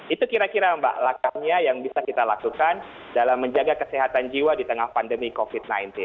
itu kira kira mbak langkahnya yang bisa kita lakukan dalam menjaga kesehatan jiwa di tengah pandemi covid sembilan belas